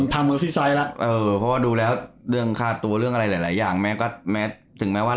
เพราะว่าดูแล้วเรื่องค่าตัวเรื่องอะไรหลายอย่างแม้ก็แม้ถึงแม้ว่า